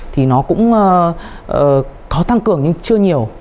thì nó cũng có tăng cường nhưng chưa nhiều